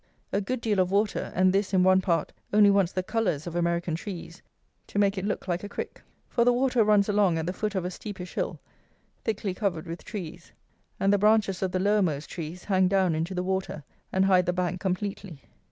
A good deal of water, and this, in one part, only wants the colours of American trees to make it look like a "creek;" for the water runs along at the foot of a steepish hill, thickly covered with trees, and the branches of the lowermost trees hang down into the water and hide the bank completely.